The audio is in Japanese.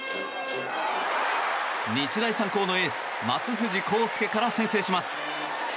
日大三高のエース松藤孝介から先制します。